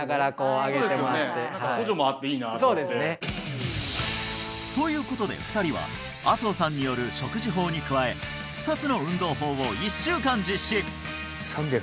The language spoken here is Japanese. そうですねということで２人は麻生さんによる食事法に加え２つの運動法を１週間実施